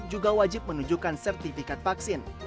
juga wajib menunjukkan sertifikat vaksin